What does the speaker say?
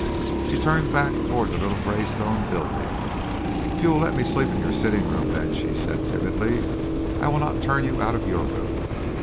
She turned back toward the little gray stone building. "If you will let me sleep in your sitting room, then," she said timidly. "I will not turn you out of your room."